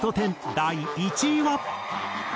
第１位は。